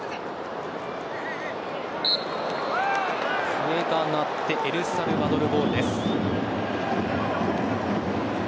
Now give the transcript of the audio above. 笛が鳴ってエルサルバドルボールです。